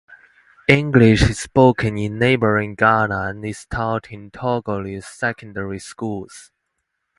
English is spoken in neighboring Ghana and is taught in Togolese secondary schools.